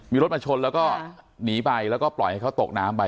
มีรถมาชนแล้วก็หนีไปแล้วก็ปล่อยให้เขาตกน้ำไป